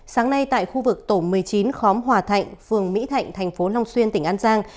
sáng nay tại khu vực tổ một mươi chín khóm hòa thạnh phường mỹ thạnh thành phố long xuyên tỉnh an giang